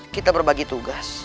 kita berbagi tugas